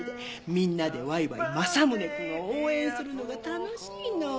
みんなでワイワイ政宗くんを応援するのが楽しいの。